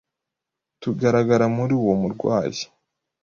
tugaragara muri uwo murwayi